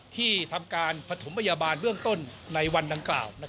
ที่ทำการปฐมพยาบาลเบื้องต้นในวันดังกล่าว